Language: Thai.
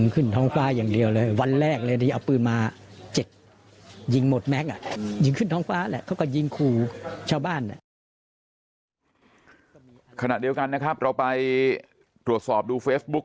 ขณะเดียวกันนะครับเราไปตรวจสอบดูเฟซบุ๊ก